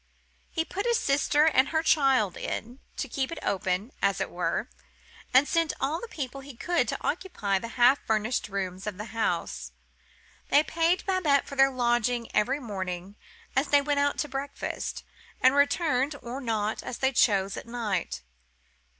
He put his sister and her child in, to keep it open, as it were, and sent all the people he could to occupy the half furnished rooms of the house. They paid Babette for their lodging every morning as they went out to breakfast, and returned or not as they chose, at night.